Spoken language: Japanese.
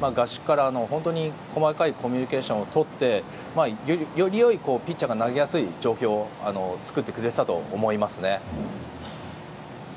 合宿から細かいコミュニケーションをとってよりピッチャーが投げやすい状況を作ってくれていたと思いますね。